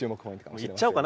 いっちゃおうかな？